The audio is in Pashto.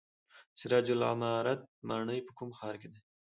سراج العمارت ماڼۍ په کوم ښار کې ده؟